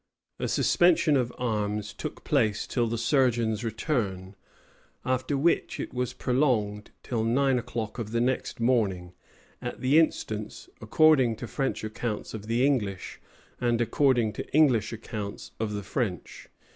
A suspension of arms took place till the surgeon's return; after which it was prolonged till nine o'clock of the next morning, at the instance, according to French accounts, of the English, and, according to English accounts, of the French.